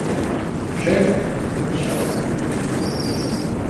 – Женька! – закричала Таня.